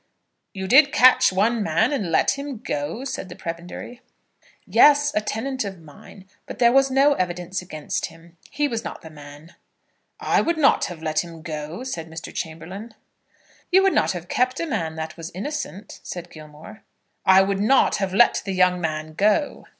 "You did catch one man, and let him go?" said the Prebendary. "Yes; a tenant of mine; but there was no evidence against him. He was not the man." "I would not have let him go," said Mr. Chamberlaine. "You would not have kept a man that was innocent?" said Gilmore. "I would not have let the young man go."